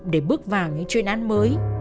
để bước vào những chuyên án mới